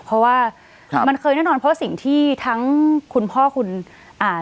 เพราะว่าครับมันเคยแน่นอนเพราะสิ่งที่ทั้งคุณพ่อคุณอ่า